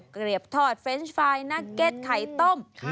เกลียบทอดเฟรนส์ไฟล์นักเก็ตไข่ต้ม